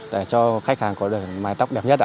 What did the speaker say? để cho khách hàng có lời mái tóc đẹp nhất ạ